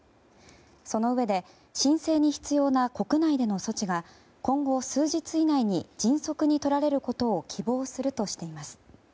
そのうえで申請に必要な国内での措置が今後、数日以内に迅速に取られることを希望するとしています。